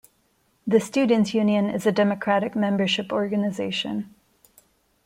The Students' Union is a democratic membership organisation.